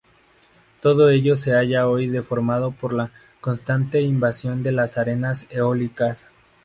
Todo ello se halla hoy deformado por la constante invasión de las arenas eólicas.